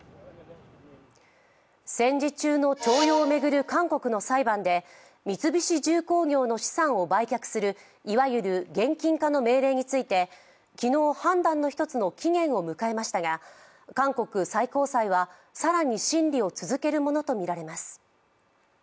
戦時中の徴用を巡る韓国の裁判で三菱重工業の資産を売却するいわゆる現金化の命令について昨日、判断の一つの期限を迎えましたが韓国最高裁は更に審理を続けるものとみられます。